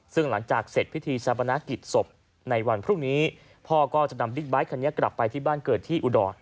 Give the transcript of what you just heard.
ซึ่งหลังจากเสร็จพิธีชาปนากิจศพในวันพรุ่งนี้พ่อก็จะนำบิ๊กไบท์คันนี้กลับไปที่บ้านเกิดที่อุดร